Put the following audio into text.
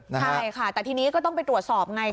ใช่ค่ะแต่ทีนี้ก็ต้องไปตรวจสอบไง